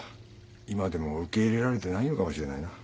今でも受け入れられてないのかもしれないな。